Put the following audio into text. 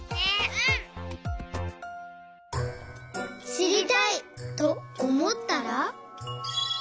「しりたい！」とおもったら。